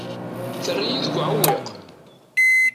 Terra-yi deg uɛewwiq.